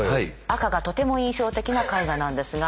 赤がとても印象的な絵画なんですが。